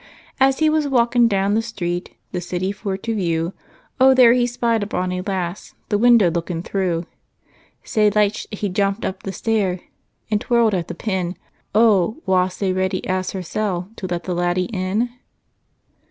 "As he was walkin' doun the street The city for to view, Oh, there he spied a bonny lass, The window lookin' through." "Sae licht he jumpèd up the stair, And tirled at the pin; Oh, wha sae ready as hersel' To let the laddie in?"